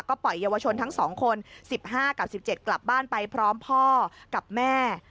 ก็ปล่อยเยาวชนทั้งสองคนสิบห้ากับสิบเจ็ดกลับบ้านไปพร้อมพ่อกับแม่